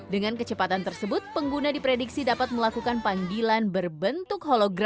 dengan kecepatan tersebut pengguna diprediksi dapat melakukan panggilan berbentuk hologram